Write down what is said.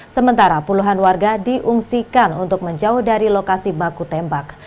sementara puluhan warga diungsikan untuk menjauh dari lokasi baku tembak